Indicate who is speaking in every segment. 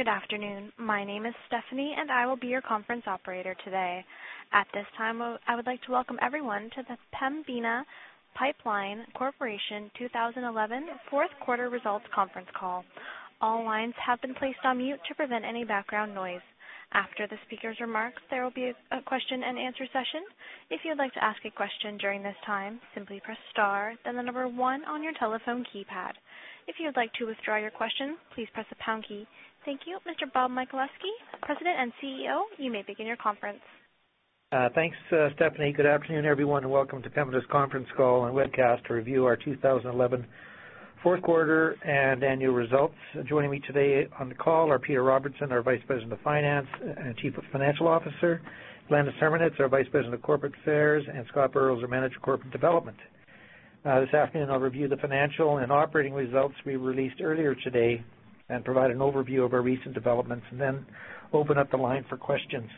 Speaker 1: Good afternoon. My name is Stephanie, and I will be your conference operator today. At this time, I would like to welcome everyone to the Pembina Pipeline Corporation 2011 fourth quarter results conference call. All lines have been placed on mute to prevent any background noise. After the speaker's remarks, there will be a question and answer session. If you'd like to ask a question during this time, simply press star then the number one on your telephone keypad. If you'd like to withdraw your question, please press the pound key. Thank you. Mr. Bob Michaleski, President and Chief Executive Officer, you may begin your conference.
Speaker 2: Thanks, Stephanie. Good afternoon, everyone, and welcome to Pembina's conference call and webcast to review our 2011 fourth quarter and annual results. Joining me today on the call are Peter Robertson, our Vice President of Finance and Chief Financial Officer, [Glenda Serediak], our Vice President of Corporate Services, and Scott Burrows, our Manager of Corporate Development. This afternoon I'll review the financial and operating results we released earlier today and provide an overview of our recent developments, and then open up the line for questions.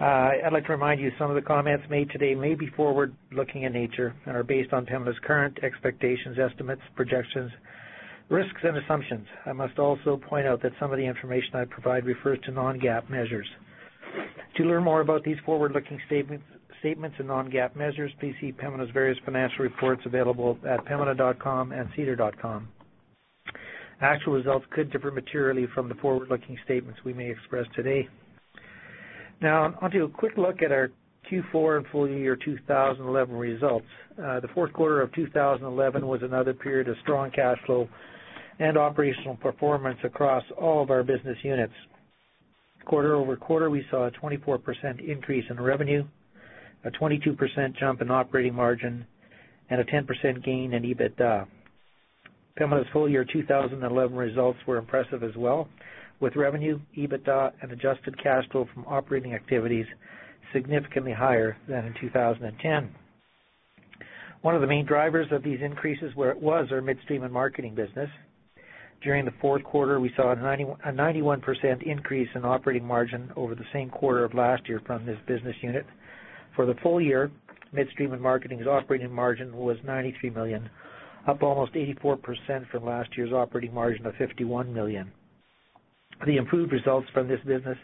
Speaker 2: I'd like to remind you some of the comments made today may be forward-looking in nature and are based on Pembina's current expectations, estimates, projections, risks, and assumptions. I must also point out that some of the information I provide refers to non-GAAP measures. To learn more about these forward-looking statements and non-GAAP measures, please see Pembina's various financial reports available at pembina.com and sedar.com. Actual results could differ materially from the forward-looking statements we may express today. Now onto a quick look at our Q4 and full year 2011 results. The fourth quarter of 2011 was another period of strong cash flow and operational performance across all of our business units. Quarter-over-quarter, we saw a 24% increase in revenue, a 22% jump in operating margin, and a 10% gain in EBITDA. Pembina's full-year 2011 results were impressive as well, with revenue, EBITDA, and adjusted cash flow from operating activities significantly higher than in 2010. One of the main drivers of these increases was our Midstream and Marketing business. During the fourth quarter, we saw a 91% increase in operating margin over the same quarter of last year from this business unit. For the full year, Midstream and Marketing's operating margin was 93 million, up almost 84% from last year's operating margin of 51 million. The improved results from this business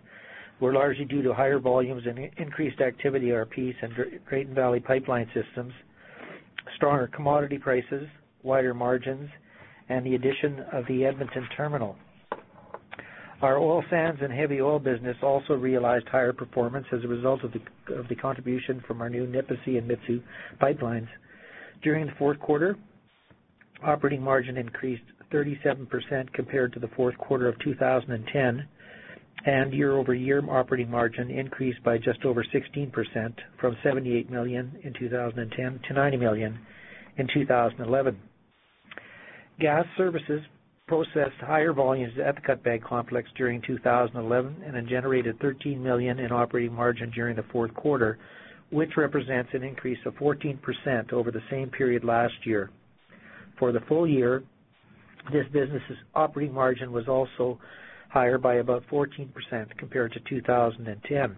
Speaker 2: were largely due to higher volumes and increased activity at our Peace and Drayton Valley pipeline systems, stronger commodity prices, wider margins, and the addition of the Edmonton terminal. Our oil sands and heavy oil business also realized higher performance as a result of the contribution from our new Nipisi and Mitsue pipelines. During the fourth quarter, operating margin increased 37% compared to the fourth quarter of 2010, and year-over-year operating margin increased by just over 16% from 78 million in 2010 to 90 million in 2011. Gas services processed higher volumes at the Cutbank Complex during 2011 and then generated 13 million in operating margin during the fourth quarter, which represents an increase of 14% over the same period last year. For the full year, this business's operating margin was also higher by about 14% compared to 2010.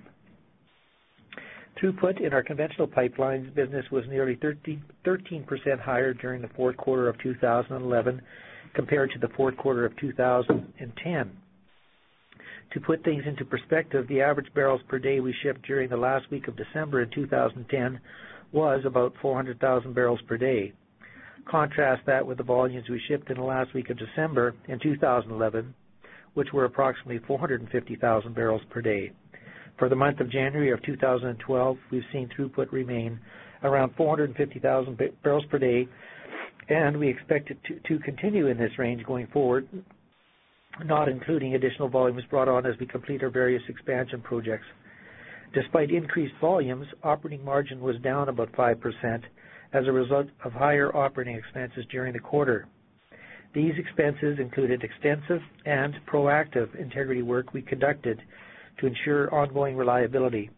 Speaker 2: Throughput in our conventional pipelines business was nearly 13% higher during the fourth quarter of 2011 compared to the fourth quarter of 2010. To put things into perspective, the average barrels per day we shipped during the last week of December in 2010 was about 400,000 bblpd. Contrast that with the volumes we shipped in the last week of December in 2011, which were approximately 450,000 bblpd. For the month of January of 2012, we've seen throughput remain around 450,000 bblpd, and we expect it to continue in this range going forward, not including additional volumes brought on as we complete our various expansion projects. Despite increased volumes, operating margin was down about 5% as a result of higher operating expenses during the quarter. These expenses included extensive and proactive integrity work we conducted to ensure ongoing reliability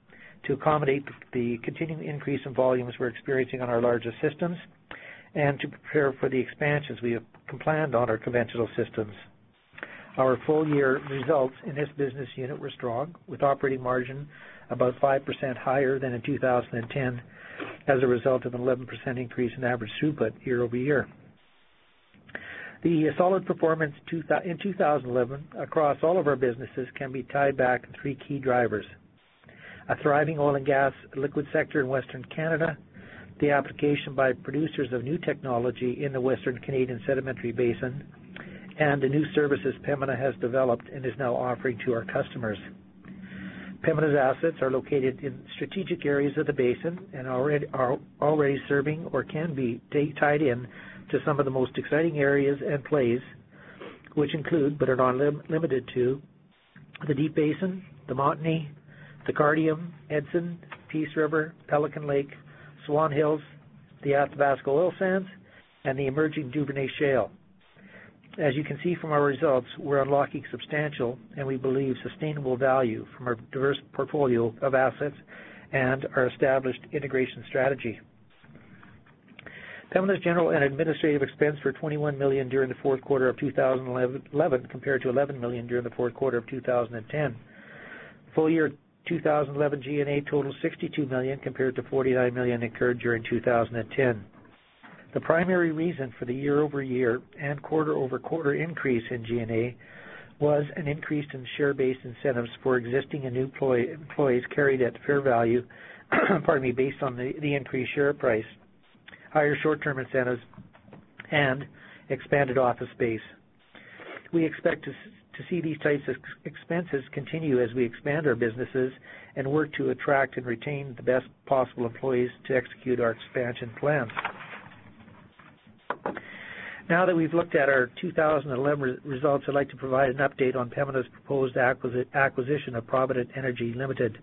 Speaker 2: to accommodate the continuing increase in volumes we're experiencing on our larger systems and to prepare for the expansions we have planned on our conventional systems. Our full-year results in this business unit were strong, with operating margin about 5% higher than in 2010 as a result of an 11% increase in average throughput year-over-year. The solid performance in 2011 across all of our businesses can be tied back to three key drivers, a thriving oil and gas liquids sector in Western Canada, the application by producers of new technology in the Western Canadian Sedimentary Basin, and the new services Pembina has developed and is now offering to our customers. Pembina's assets are located in strategic areas of the basin and are already serving or can be tied in to some of the most exciting areas and plays, which include, but are not limited to, the Deep Basin, the Montney, the Cardium, Edson, Peace River, Pelican Lake, Swan Hills, the Athabasca Oil Sands, and the emerging Duvernay Shale. As you can see from our results, we're unlocking substantial and we believe sustainable value from our diverse portfolio of assets and our established integration strategy. Pembina's General and Administrative expenses were 21 million during the fourth quarter of 2011 compared to 11 million during the fourth quarter of 2010. Full year 2011 G&A totaled 62 million, compared to 49 million incurred during 2010. The primary reason for the year-over-year and quarter-over-quarter increase in G&A was an increase in share-based incentives for existing and new employees carried at fair value, based on the increased share price, higher short-term incentives, and expanded office space. We expect to see these types of expenses continue as we expand our businesses and work to attract and retain the best possible employees to execute our expansion plans. Now that we've looked at our 2011 results, I'd like to provide an update on Pembina's proposed acquisition of Provident Energy Ltd.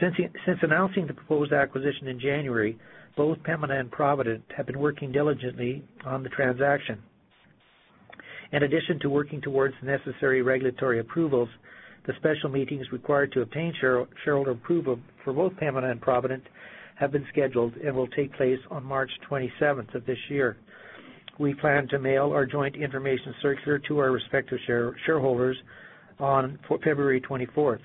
Speaker 2: Since announcing the proposed acquisition in January, both Pembina and Provident have been working diligently on the transaction. In addition to working towards the necessary regulatory approvals, the special meetings required to obtain shareholder approval for both Pembina and Provident have been scheduled and will take place on March 27th of this year. We plan to mail our joint information circular to our respective shareholders on February 24th.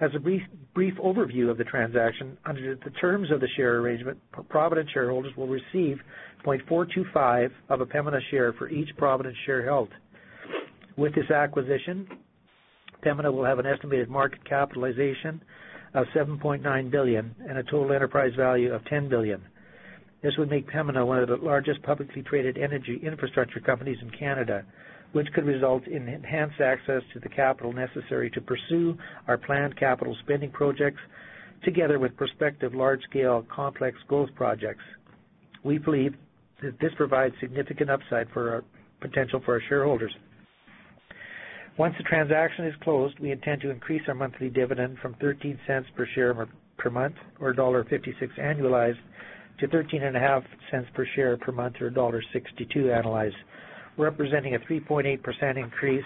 Speaker 2: As a brief overview of the transaction, under the terms of the share arrangement, Provident shareholders will receive 0.425 of a Pembina share for each Provident share held. With this acquisition, Pembina will have an estimated market capitalization of 7.9 billion and a total enterprise value of 10 billion. This would make Pembina one of the largest publicly traded energy infrastructure companies in Canada, which could result in enhanced access to the capital necessary to pursue our planned capital spending projects, together with prospective large-scale complex growth projects. We believe that this provides significant upside potential for our shareholders. Once the transaction is closed, we intend to increase our monthly dividend from 0.13 per share per month, or $1.56 annualized, to 0.135 per share per month, or $1.62 annualized, representing a 3.8% increase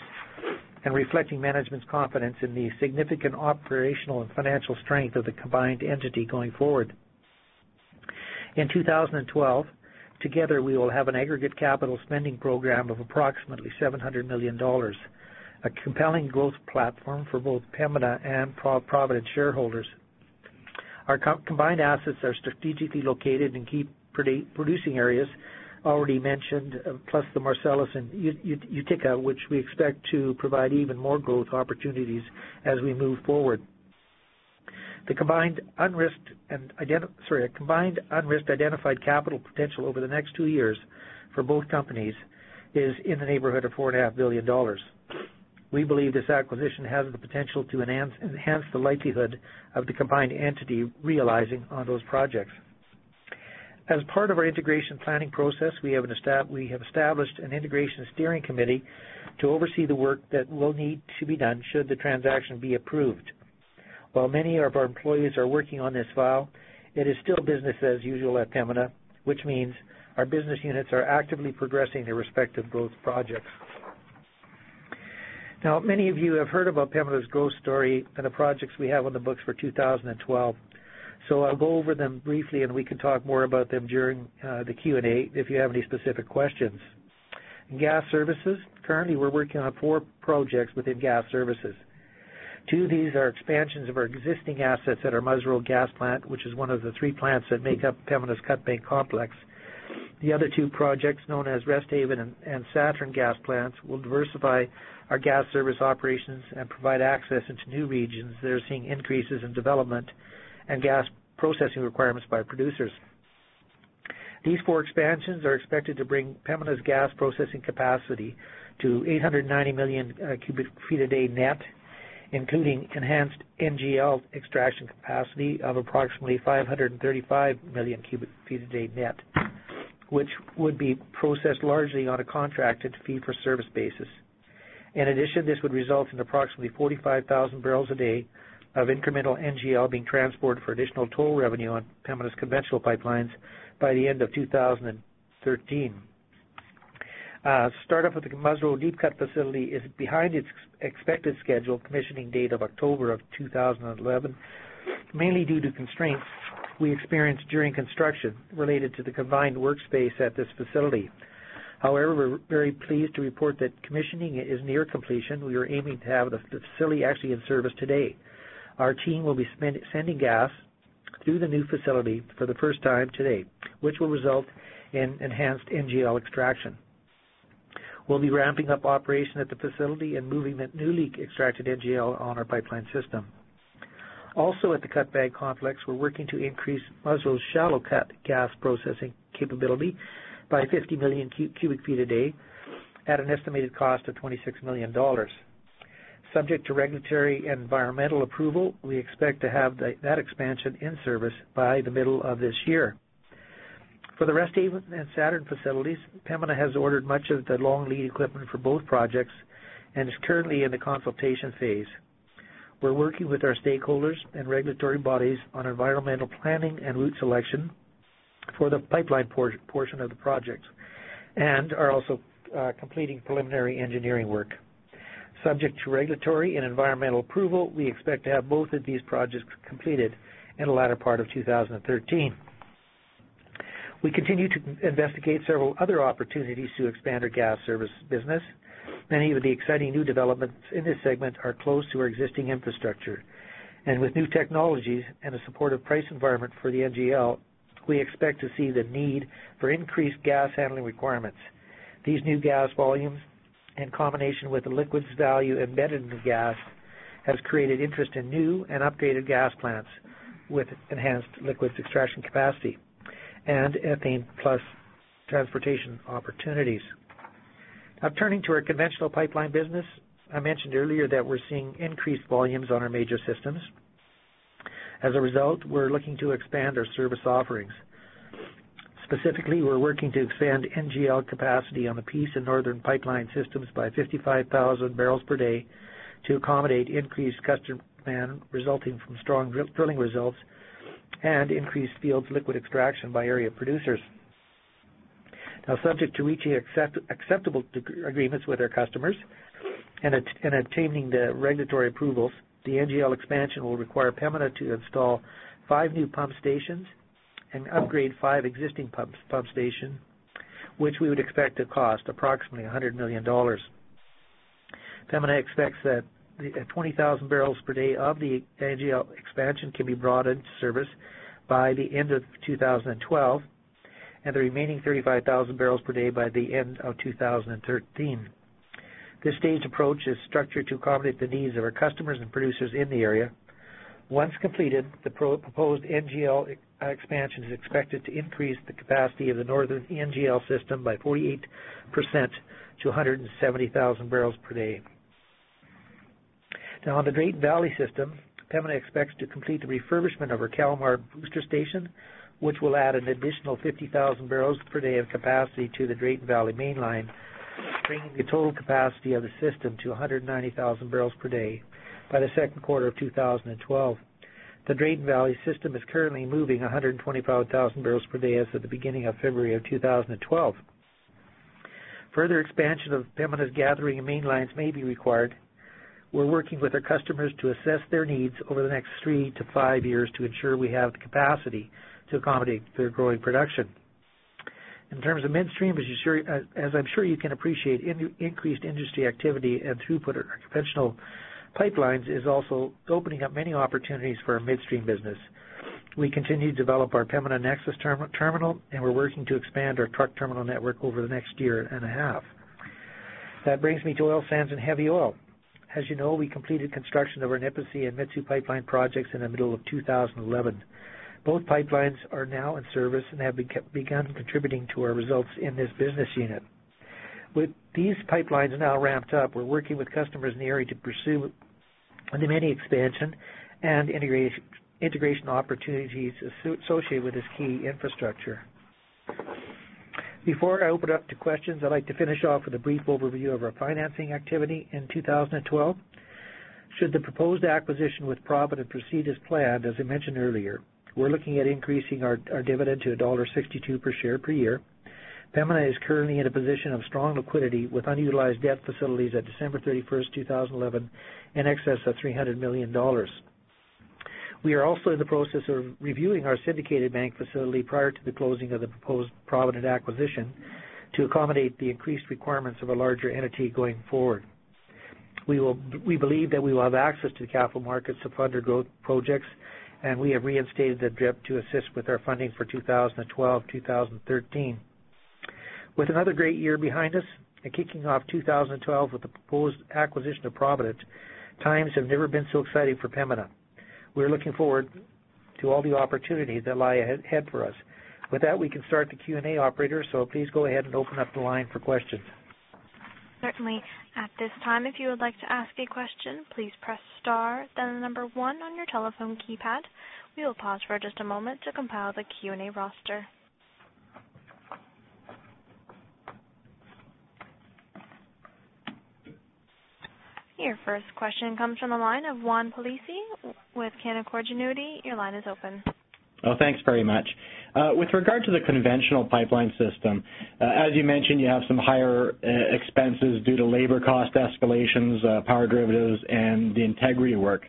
Speaker 2: and reflecting management's confidence in the significant operational and financial strength of the combined entity going forward. In 2012, together, we will have an aggregate capital spending program of approximately $700 million, a compelling growth platform for both Pembina and Provident shareholders. Our combined assets are strategically located in key producing areas, already mentioned, plus the Marcellus and Utica, which we expect to provide even more growth opportunities as we move forward. The combined unrisked identified capital potential over the next two years for both companies is in the neighborhood of $4.5 billion. We believe this acquisition has the potential to enhance the likelihood of the combined entity realizing on those projects. As part of our integration planning process, we have established an integration steering committee to oversee the work that will need to be done should the transaction be approved. While many of our employees are working on this file, it is still business as usual at Pembina, which means our business units are actively progressing their respective growth projects. Now, many of you have heard about Pembina's growth story and the projects we have on the books for 2012. I'll go over them briefly, and we can talk more about them during the Q&A if you have any specific questions. In gas services, currently, we're working on four projects within gas services. Two of these are expansions of our existing assets at our Musreau gas plant, which is one of the three plants that make up Pembina's Cutbank Complex. The other two projects, known as Resthaven and Saturn gas plants, will diversify our gas service operations and provide access into new regions that are seeing increases in development and gas processing requirements by producers. These four expansions are expected to bring Pembina's gas processing capacity to 890 million cubic feet a day net, including enhanced NGL extraction capacity of approximately 535 million cubic feet a day net, which would be processed largely on a contracted fee-for-service basis. In addition, this would result in approximately 45,000 bblpd of incremental NGL being transported for additional toll revenue on Pembina's conventional pipelines by the end of 2013. Startup of the Musreau deep cut facility is behind its expected scheduled commissioning date of October of 2011, mainly due to constraints we experienced during construction related to the combined workspace at this facility. However, we're very pleased to report that commissioning is near completion. We are aiming to have the facility actually in service today. Our team will be sending gas through the new facility for the first time today, which will result in enhanced NGL extraction. We'll be ramping up operation at the facility and moving the newly extracted NGL on our pipeline system. Also at the Cutbank complex, we're working to increase Musreau's shallow cut gas processing capability by 50 million cubic feet a day at an estimated cost of $26 million. Subject to regulatory and environmental approval, we expect to have that expansion in service by the middle of this year. For the Resthaven and Saturn facilities, Pembina has ordered much of the long lead equipment for both projects and is currently in the consultation phase. We're working with our stakeholders and regulatory bodies on environmental planning and route selection for the pipeline portion of the project and are also completing preliminary engineering work. Subject to regulatory and environmental approval, we expect to have both of these projects completed in the latter part of 2013. We continue to investigate several other opportunities to expand our gas service business. Many of the exciting new developments in this segment are close to our existing infrastructure. With new technologies and a supportive price environment for the NGL, we expect to see the need for increased gas handling requirements. These new gas volumes, in combination with the liquids value embedded in the gas, has created interest in new and updated gas plants with enhanced liquids extraction capacity and ethane plus transportation opportunities. Now turning to our conventional pipeline business. I mentioned earlier that we're seeing increased volumes on our major systems. As a result, we're looking to expand our service offerings. Specifically, we're working to expand NGL capacity on the Peace and Northern pipeline systems by 55,000 bblpd to accommodate increased customer demand resulting from strong drilling results and increased field liquids extraction by area producers. Subject to reaching acceptable agreements with our customers and obtaining the regulatory approvals, the NGL expansion will require Pembina to install five new pump stations and upgrade five existing pump stations, which we would expect to cost approximately $100 million. Pembina expects that 20,000 bblpd of the NGL expansion can be brought into service by the end of 2012, and the remaining 35,000 bblpd by the end of 2013. This staged approach is structured to accommodate the needs of our customers and producers in the area. Once completed, the proposed NGL expansion is expected to increase the capacity of the Northern NGL system by 48% to 170,000 bblpd. Now on the Drayton Valley system, Pembina expects to complete the refurbishment of our Calmar Booster Station, which will add an additional 50,000 bblpd of capacity to the Drayton Valley mainline, bringing the total capacity of the system to 190,000 bblpd by the second quarter of 2012. The Drayton Valley system is currently moving 125,000 bblpd as of the beginning of February of 2012. Further expansion of Pembina's gathering and mainlines may be required. We're working with our customers to assess their needs over the next three to five years to ensure we have the capacity to accommodate their growing production. In terms of midstream, as I'm sure you can appreciate, increased industry activity and throughput at our conventional pipelines is also opening up many opportunities for our midstream business. We continue to develop our Pembina Nexus Terminal, and we're working to expand our truck terminal network over the next year and a half. That brings me to oil sands and heavy oil. As you know, we completed construction of our Nipisi and Mitsue pipeline projects in the middle of 2011. Both pipelines are now in service and have begun contributing to our results in this business unit. With these pipelines now ramped up, we're working with customers in the area to pursue the many expansion and integration opportunities associated with this key infrastructure. Before I open it up to questions, I'd like to finish off with a brief overview of our financing activity in 2012. Should the proposed acquisition with Provident proceed as planned, as I mentioned earlier, we're looking at increasing our dividend to $1.62 per share per year. Pembina is currently in a position of strong liquidity with unutilized debt facilities at December 31st, 2011, in excess of $300 million. We are also in the process of reviewing our syndicated bank facility prior to the closing of the proposed Provident acquisition to accommodate the increased requirements of a larger entity going forward. We believe that we will have access to the capital markets to fund our growth projects, and we have reinstated the DRIP to assist with our funding for 2012, 2013. With another great year behind us and kicking off 2012 with the proposed acquisition of Provident, times have never been so exciting for Pembina. We're looking forward to all the opportunities that lie ahead for us. With that, we can start the Q&A, operator. Please go ahead and open up the line for questions.
Speaker 1: Certainly. At this time, if you would like to ask a question, please press star then the number one on your telephone keypad. We will pause for just a moment to compile the Q&A roster. Your first question comes from the line of Juan Plessis with Canaccord Genuity, your line is open.
Speaker 3: Thanks very much. With regard to the conventional pipeline system, as you mentioned, you have some higher expenses due to labor cost escalations, power derivatives, and the integrity work.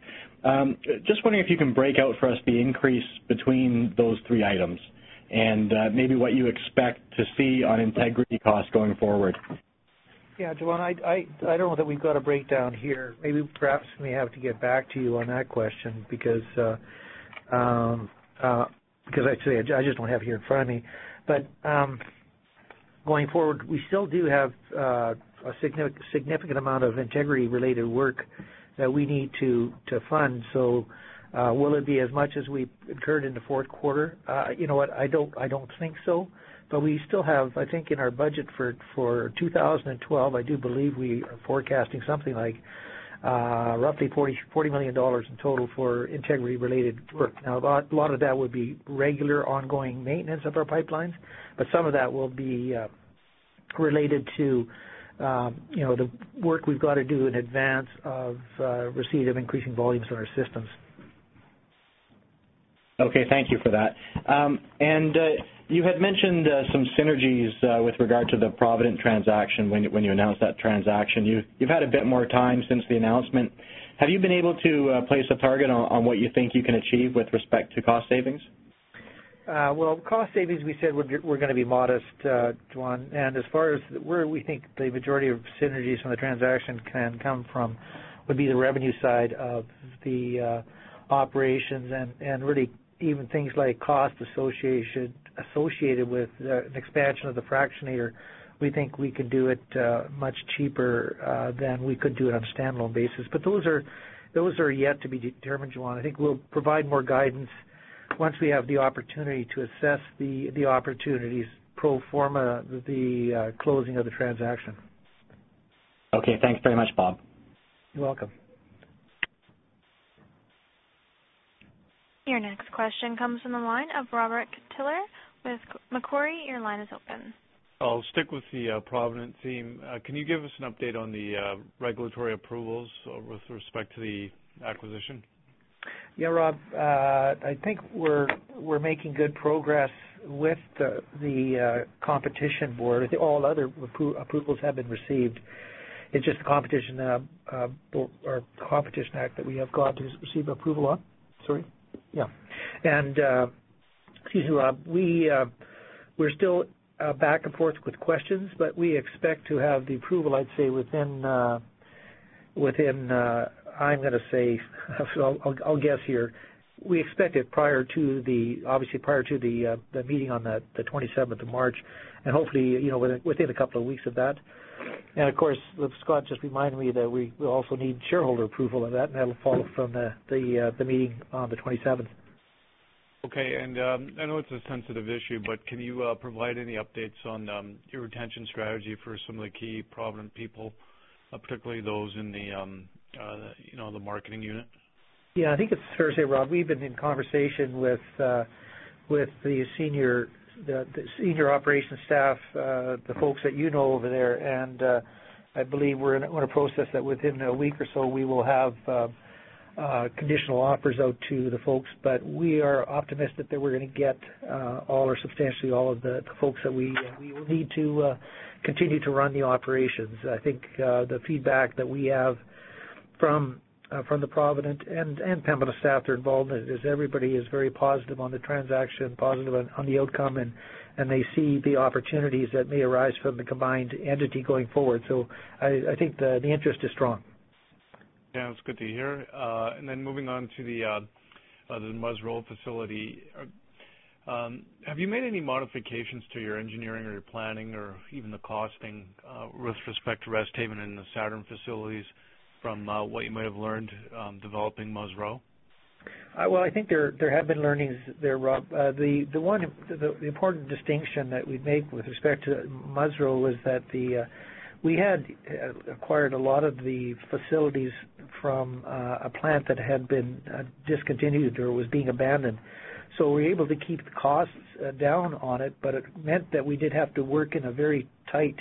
Speaker 3: Just wondering if you can break out for us the increase between those three items and maybe what you expect to see on integrity costs going forward.
Speaker 2: Yeah, Juan, I don't know that we've got a breakdown here. Maybe perhaps we have to get back to you on that question because actually, I just don't have it here in front of me. Going forward, we still do have a significant amount of integrity-related work that we need to fund. Will it be as much as we incurred in the fourth quarter? You know what, I don't think so, but we still have, I think, in our budget for 2012, I do believe we are forecasting something like roughly $40 million in total for integrity-related work. Now, a lot of that would be regular, ongoing maintenance of our pipelines, but some of that will be related to the work we've got to do in advance of receipt of increasing volumes in our systems.
Speaker 3: Okay. Thank you for that. You had mentioned some synergies with regard to the Provident transaction when you announced that transaction. You've had a bit more time since the announcement. Have you been able to place a target on what you think you can achieve with respect to cost savings?
Speaker 2: Well, cost savings, we said were going to be modest, Juan. As far as where we think the majority of synergies from the transaction can come from would be the revenue side of the operations and really even things like cost associated with the expansion of the fractionator. We think we can do it much cheaper than we could do it on a standalone basis. Those are yet to be determined, Juan. I think we'll provide more guidance once we have the opportunity to assess the opportunities pro forma, the closing of the transaction.
Speaker 3: Okay. Thanks very much, Bob.
Speaker 2: You're welcome.
Speaker 1: Your next question comes from the line of Robert Catellier with Macquarie, your line is open.
Speaker 4: I'll stick with the Provident team. Can you give us an update on the regulatory approvals with respect to the acquisition?
Speaker 2: Yeah, Rob, I think we're making good progress with the Competition Bureau. All other approvals have been received. It's just the Competition Act that we have got to receive approval on. Sorry. Yeah. Excuse me, Rob. We're still back and forth with questions, but we expect to have the approval, I'd say within, I'm going to say. So I'll guess here. We expect it obviously prior to the meeting on the 27th of March, and hopefully, within a couple of weeks of that. Of course, Scott just reminded me that we will also need shareholder approval of that, and that'll follow from the meeting on the 27th.
Speaker 4: Okay. I know it's a sensitive issue, but can you provide any updates on your retention strategy for some of the key Provident people, particularly those in the marketing unit?
Speaker 2: Yeah, I think it's fair to say, Rob, we've been in conversation with the senior operations staff, the folks that you know over there, and I believe we're in a process that within a week or so, we will have conditional offers out to the folks. We are optimistic that we're going to get all or substantially all of the folks that we will need to continue to run the operations. I think the feedback that we have from the Provident and Pembina staff that are involved is everybody is very positive on the transaction, positive on the outcome, and they see the opportunities that may arise from the combined entity going forward. I think the interest is strong.
Speaker 4: Yeah. That's good to hear. Moving on to the Musreau facility. Have you made any modifications to your engineering or your planning or even the costing, with respect to Resthaven and the Saturn facilities from what you might have learned, developing Musreau?
Speaker 2: Well, I think there have been learnings there, Rob. The important distinction that we've made with respect to Musreau is that we had acquired a lot of the facilities from a plant that had been discontinued or was being abandoned. We were able to keep the costs down on it, but it meant that we did have to work in a very tight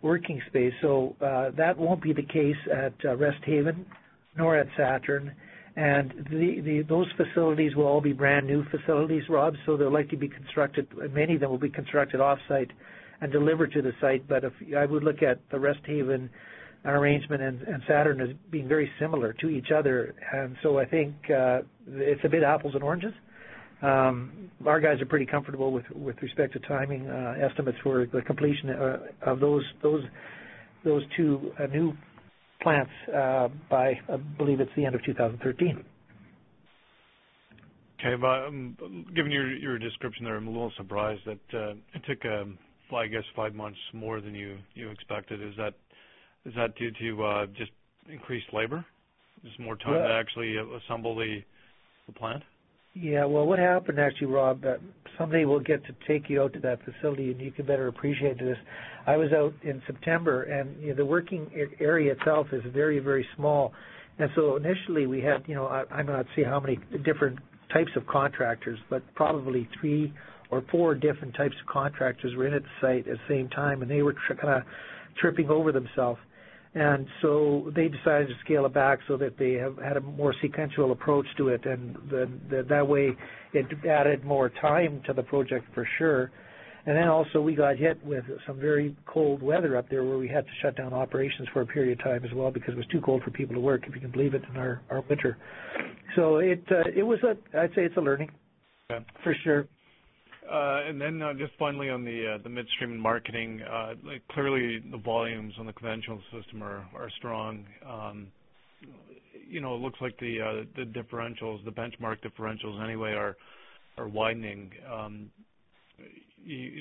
Speaker 2: working space. That won't be the case at Resthaven nor at Saturn. Those facilities will all be brand-new facilities, Rob, so many that will be constructed off-site and delivered to the site. I would look at the Resthaven arrangement and Saturn as being very similar to each other. I think it's a bit of apples and oranges. Our guys are pretty comfortable with respect to timing estimates for the completion of those two new plants by, I believe it's the end of 2013.
Speaker 4: Okay. Given your description there, I'm a little surprised that it took, well, I guess five months more than you expected. Is that due to just increased labor? Just more time to actually assemble the plant?
Speaker 2: Yeah. Well, what happened actually, Rob, someday we'll get to take you out to that facility and you can better appreciate this. I was out in September, and the working area itself is very small. Initially we had, I'm not sure how many different types of contractors, but probably three or four different types of contractors were in at the site at the same time, and they were tripping over themselves. They decided to scale it back so that they have had a more sequential approach to it. That way it added more time to the project for sure. Also we got hit with some very cold weather up there where we had to shut down operations for a period of time as well, because it was too cold for people to work, if you can believe it, in our winter. I'd say it's a learning.
Speaker 4: Okay.
Speaker 2: For sure.
Speaker 4: Just finally on the Midstream and Marketing, clearly the volumes on the conventional system are strong. It looks like the benchmark differentials anyway are widening.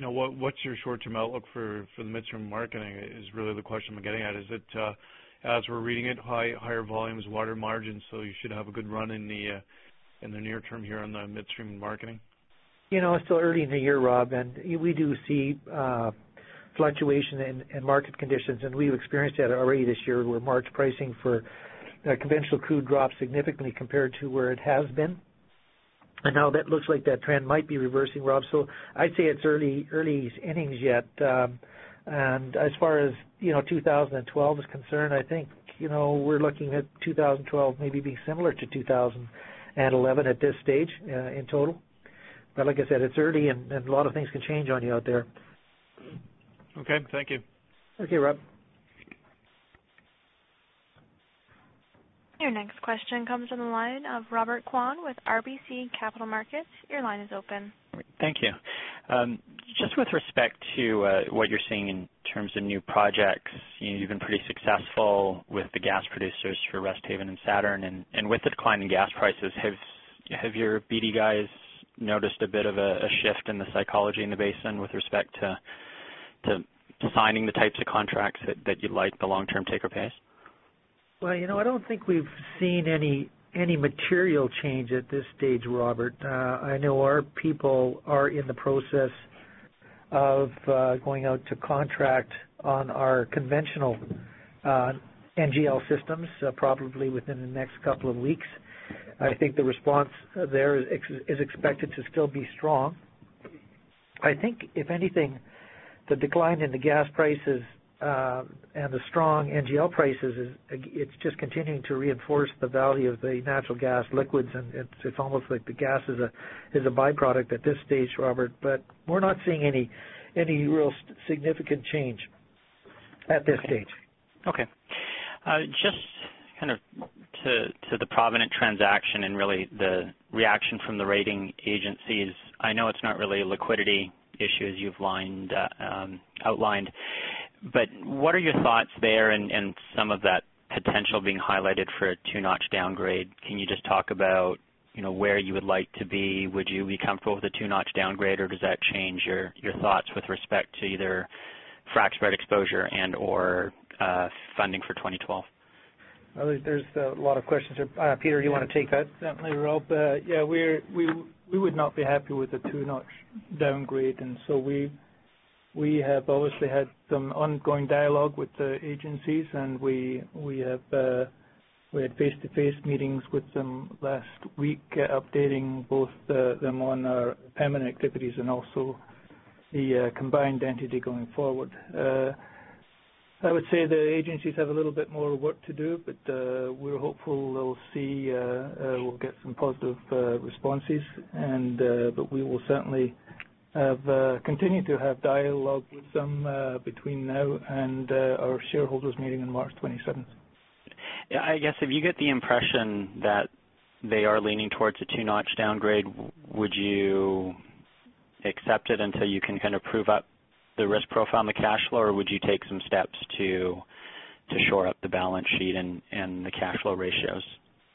Speaker 4: What's your short-term outlook for the Midstream and Marketing is really the question I'm getting at. Is it, as we're reading it, higher volumes, wider margins, so you should have a good run in the near term here on the Midstream and Marketing?
Speaker 2: It's still early in the year, Rob, and we do see fluctuation in market conditions, and we've experienced that already this year, where March pricing for conventional crude dropped significantly compared to where it has been. Now that looks like that trend might be reversing, Rob. I'd say it's early innings yet. As far as 2012 is concerned, I think, we're looking at 2012 maybe being similar to 2011 at this stage in total. Like I said, it's early, and a lot of things can change on you out there.
Speaker 4: Okay. Thank you.
Speaker 2: Thank you, Rob.
Speaker 1: Your next question comes from the line of Robert Kwan with RBC Capital Markets, your line is open.
Speaker 5: Thank you. Just with respect to what you're seeing in terms of new projects, you've been pretty successful with the gas producers for Resthaven and Saturn. With the decline in gas prices, have your BD guys noticed a bit of a shift in the psychology in the basin with respect to signing the types of contracts that you'd like, the long-term take-or-pays?
Speaker 2: Well, I don't think we've seen any material change at this stage, Robert. I know our people are in the process of going out to contract on our conventional NGL systems, probably within the next couple of weeks. I think the response there is expected to still be strong. I think, if anything, the decline in the gas prices and the strong NGL prices, it's just continuing to reinforce the value of the natural gas liquids, and it's almost like the gas is a byproduct at this stage, Robert. But we're not seeing any real significant change at this stage.
Speaker 5: Okay. Just to the Provident transaction and really the reaction from the rating agencies, I know it's not really a liquidity issue as you've outlined, but what are your thoughts there and some of that potential being highlighted for a two-notch downgrade? Can you just talk about where you would like to be? Would you be comfortable with a two-notch downgrade, or does that change your thoughts with respect to either frac-spread exposure and/or funding for 2012?
Speaker 2: There's a lot of questions there. Peter, do you want to take that?
Speaker 6: Certainly, Rob. Yeah, we would not be happy with a two-notch downgrade, so we have obviously had some ongoing dialogue with the agencies, and we had face-to-face meetings with them last week, updating both them on our permanent activities and also the combined entity going forward. I would say the agencies have a little bit more work to do, but we're hopeful we'll get some positive responses. We will certainly continue to have dialogue with them between now and our shareholders meeting on March 27th.
Speaker 5: Yeah. I guess if you get the impression that they are leaning towards a two-notch downgrade, would you accept it until you can prove up the risk profile on the cash flow, or would you take some steps to shore up the balance sheet and the cash flow ratios?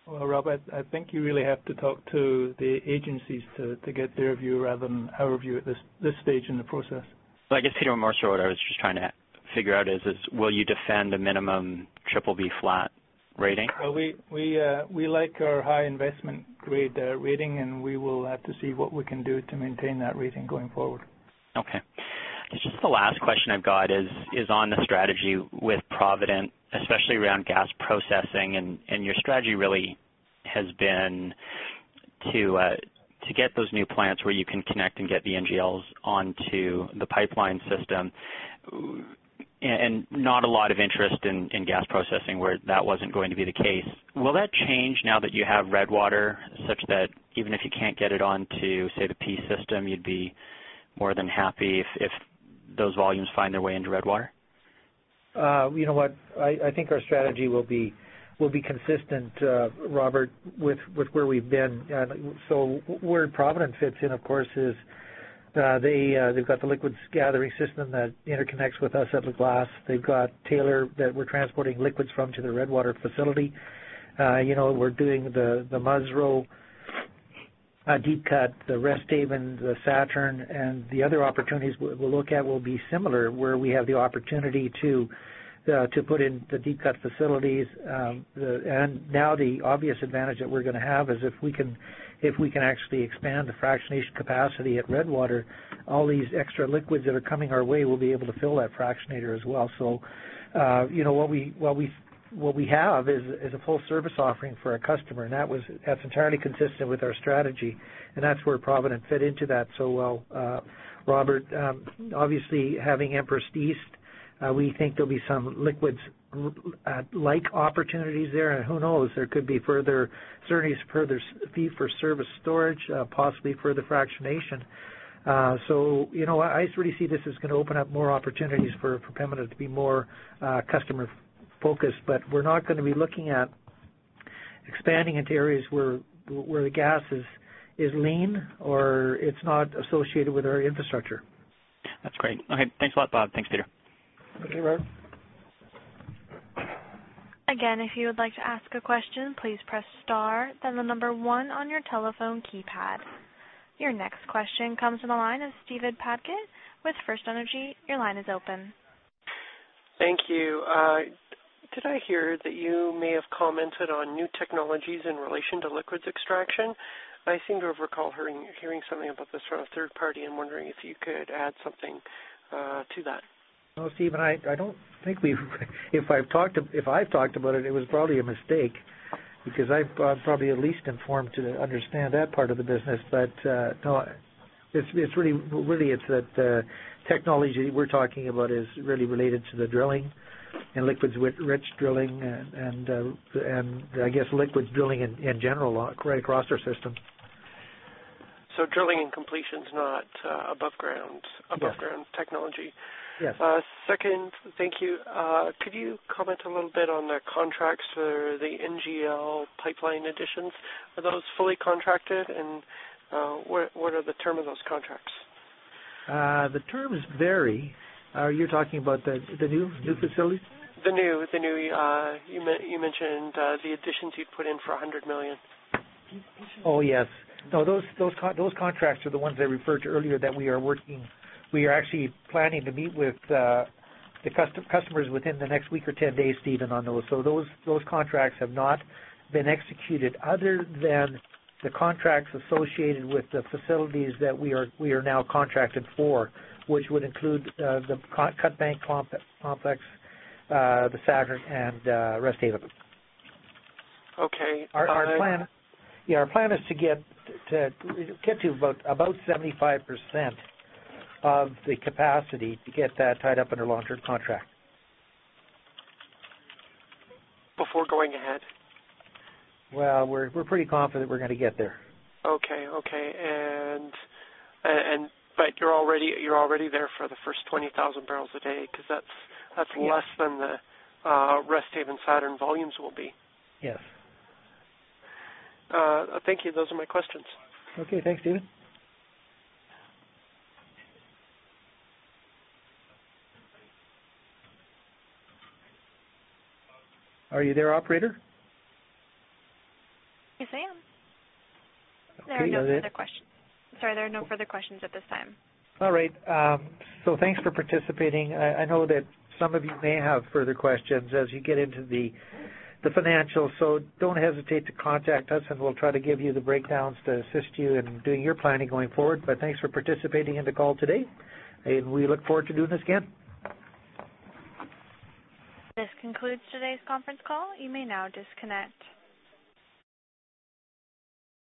Speaker 6: Well, Rob, I think you really have to talk to the agencies to get their view rather than our view at this stage in the process.
Speaker 5: I guess, Peter, more so what I was just trying to figure out is, will you defend the minimum BBB flat rating?
Speaker 6: Well, we like our high investment-grade rating, and we will have to see what we can do to maintain that rating going forward.
Speaker 5: Okay. Just the last question I've got is on the strategy with Provident, especially around gas processing, and your strategy really has been to get those new plants where you can connect and get the NGLs onto the pipeline system, and not a lot of interest in gas processing where that wasn't going to be the case. Will that change now that you have Redwater, such that even if you can't get it on to, say, the P system, you'd be more than happy if those volumes find their way into Redwater?
Speaker 2: You know what, I think our strategy will be consistent, Robert, with where we've been. Where Provident fits in, of course, is they've got the liquids gathering system that interconnects with us at La Glace. They've got Taylor that we're transporting liquids from to the Redwater facility. We're doing the Musreau deep cut, the Resthaven, the Saturn, and the other opportunities we'll look at will be similar, where we have the opportunity to put in the deep cut facilities. Now the obvious advantage that we're going to have is if we can actually expand the fractionation capacity at Redwater, all these extra liquids that are coming our way will be able to fill that fractionator as well. What we have is a full-service offering for our customer, and that's entirely consistent with our strategy, and that's where Provident fit into that so well, Robert. Obviously, having Empress East, we think there'll be some liquids-like opportunities there. Who knows, there could be certainly further fee-for-service storage, possibly further fractionation. I really see this as going to open up more opportunities for Pembina to be more customer-focused. We're not going to be looking at expanding into areas where the gas is lean or it's not associated with our infrastructure.
Speaker 5: That's great. Okay. Thanks a lot, Bob. Thanks, Peter.
Speaker 6: Thank you, Rob.
Speaker 1: Again, if you would like to ask a question, please press star, then the number one on your telephone keypad. Your next question comes from the line of Steven Paget with FirstEnergy, your line is open.
Speaker 7: Thank you. Did I hear that you may have commented on new technologies in relation to liquids extraction? I seem to recall hearing something about this from a third party and wondering if you could add something to that.
Speaker 2: Well, Steven, I don't think we've. If I've talked about it was probably a mistake because I'm probably the least informed to understand that part of the business. No, really, it's that the technology we're talking about is really related to the drilling and liquids-rich drilling and, I guess, liquids drilling in general right across our system.
Speaker 7: Drilling and completion's not above ground technology?
Speaker 2: Yes.
Speaker 7: Second, thank you. Could you comment a little bit on the contracts for the NGL pipeline additions? Are those fully contracted, and what are the term of those contracts?
Speaker 2: The terms vary. Are you talking about the new facilities?
Speaker 7: You mentioned the additions you'd put in for 100 million.
Speaker 2: Oh, yes. No, those contracts are the ones I referred to earlier that we are working. We are actually planning to meet with the customers within the next week or 10 days, Steven, on those. Those contracts have not been executed other than the contracts associated with the facilities that we are now contracted for, which would include the Cutbank Complex, the Saturn, and Resthaven.
Speaker 7: Okay.
Speaker 2: Our plan is to get to about 75% of the capacity to get that tied up in a long-term contract.
Speaker 7: Before going ahead?
Speaker 2: Well, we're pretty confident we're going to get there.
Speaker 7: Okay. You're already there for the first 20,000 bblpd, because that's less than the Resthaven, Saturn volumes will be.
Speaker 2: Yes.
Speaker 7: Thank you. Those are my questions.
Speaker 2: Okay, thanks, Steven. Are you there, Operator?
Speaker 1: Yes, I am.
Speaker 2: Okay.
Speaker 1: There are no further questions. Sorry, there are no further questions at this time.
Speaker 2: All right. Thanks for participating. I know that some of you may have further questions as you get into the financials, so don't hesitate to contact us, and we'll try to give you the breakdowns to assist you in doing your planning going forward. Thanks for participating in the call today, and we look forward to doing this again.
Speaker 1: This concludes today's conference call, you may now disconnect.